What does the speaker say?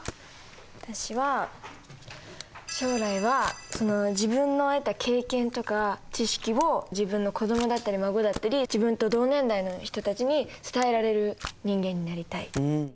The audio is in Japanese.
私は将来は自分の得た経験とか知識を自分の子供だったり孫だったり自分と同年代の人たちに伝えられる人間になりたい。